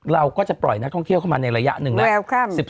เราก็จะปล่อยนักท่องเที่ยวเข้ามาในระยะหนึ่งแล้ว